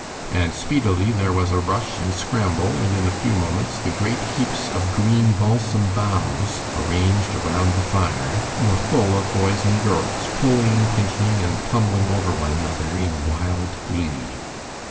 And speedily there was a rush and scramble, and in a few moments the great heaps of green balsam boughs arranged around the fire were full of boys and girls pulling, pinching, and tumbling over one another in wild glee.